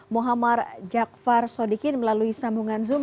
mohamad jaqfar sodikin melalui sambungan zoom